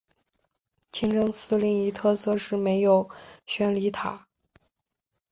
清真寺另一特色是没有宣礼塔。